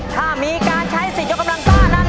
ถ้ามีการใช้สิทธิ์ยกกำลังซ่านั้น